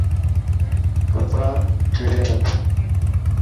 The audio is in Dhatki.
ڪپڙا ويڙي رک.